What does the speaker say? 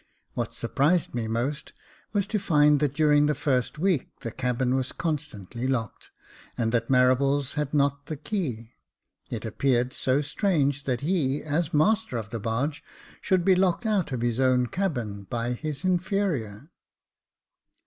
What surprised me most was to find that during the first week the cabin was constantly locked, and that Marables had not the key ; it appeared so strange that he, as master of the barge, should be locked out of his own cabin by his inferior.